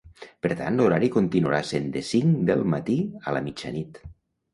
Per tant, l’horari continuarà sent de cinc del matí a la mitjanit.